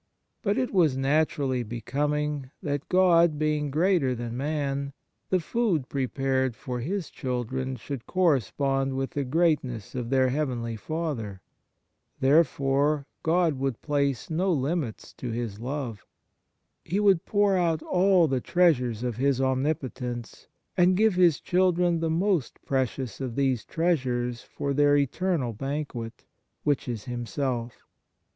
But it was naturally becoming that, God being greater than man, the food prepared for His children should correspond with the greatness of their heavenly Father. Therefore God would place no limits to His love; He would pour out all the treasures of His omnipotence, and give His children the most precious of these treasures for their 1 Peter Chrysol., Horn. 67. 61 THE MARVELS OF DIVINE GRACE eternal banquet, which is Himself.